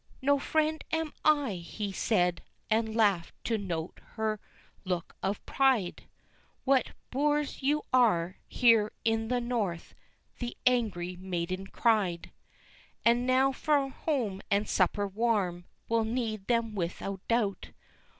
"No friend am I," he said, and laughed to note her look of pride! "What boors you are, here in the north!" the angry maiden cried; "And now for home and supper warm, we'll need them without doubt."